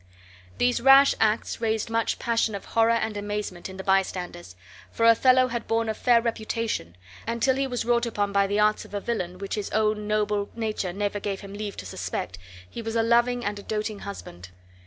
These rash acts raised much passion of horror and amazement in the bystanders, for Othello had borne a fair reputation, and till he was wrought upon by the arts of a villain, which his own noble nature never gave him leave to suspect, he was a loving and a doting husband.